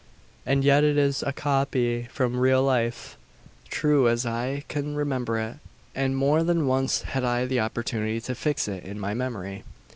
And yet it is a copy from real life true as I can remember it; and more than once had I the opportunity to fix it in my memory.